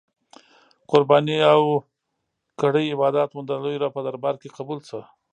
قربانې او کړی عبادات مو د لوی رب په دربار کی قبول شه.